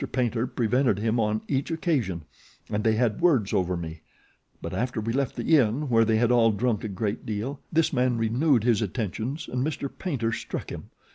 Paynter prevented him on each occasion, and they had words over me; but after we left the inn, where they had all drunk a great deal, this man renewed his attentions and Mr. Paynter struck him.